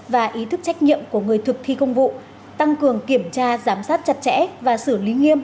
và ý thức trách nhiệm của người thực thi công vụ tăng cường kiểm tra giám sát chặt chẽ và xử lý nghiêm